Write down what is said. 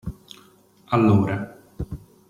Allora.